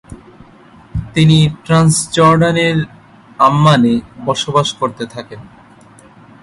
তিনি ট্রান্সজর্ডানের আম্মানে বসবাস করতে থাকেন।